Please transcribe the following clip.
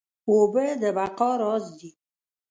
اوبه د بقا راز دي